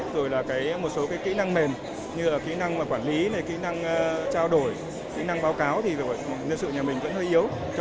rồi là một số kỹ năng mềm như là kỹ năng quản lý này kỹ năng trao đổi kỹ năng báo cáo thì nhân sự nhà mình vẫn hơi yếu